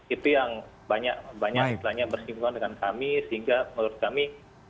itu yang banyak banyak istilahnya bersinggungan dengan kami sehingga menurut kami